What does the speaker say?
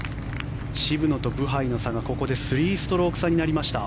渋野とブハイの差がここで３ストローク差になりました。